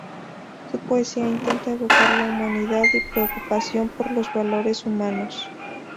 Su poesía intenta evocar la humanidad y preocupación por los valores humanos.